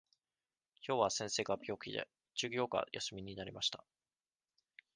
きょうは先生が病気で、授業が休みになりました。